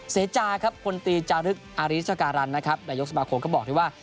เสจาครับคนตีจารึกอาริเธอกาลันนะครับระยกสมโคก็บอกที่ว่า